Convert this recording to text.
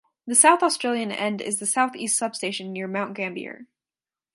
The South Australian end is the South East substation near Mount Gambier.